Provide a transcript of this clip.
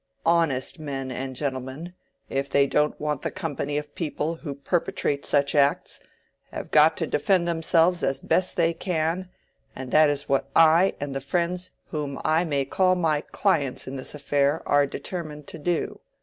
Honest men and gentlemen, if they don't want the company of people who perpetrate such acts, have got to defend themselves as they best can, and that is what I and the friends whom I may call my clients in this affair are determined to do.